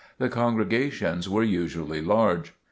The congregations were usually large.